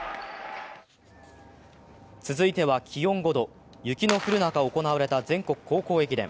続いては気温５度、雪の降る中、行われた全国高校駅伝。